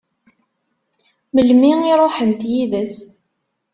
Melmi i ṛuḥent yid-s?